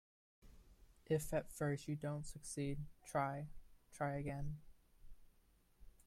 If at first you don't succeed, try, try again.